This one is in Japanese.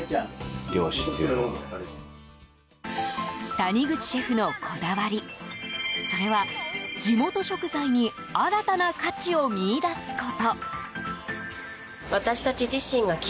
谷口シェフのこだわりそれは、地元食材に新たな価値を見いだすこと。